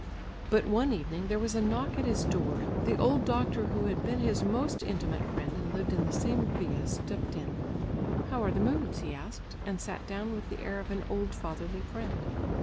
But one evening, there was a knock at his door; the old doctor who had been his most intimate friend and lived in the same villa, stepped in. "How are the moods?" he asked, and sat down with the air of an old fatherly friend.